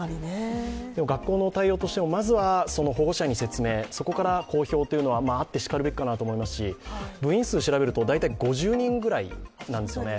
でも学校の対応としては、まず保護者に説明、そこから公表というのはあってしかるべきかなと思いますし部員数を調べると、大体５０人ぐらいなんですね。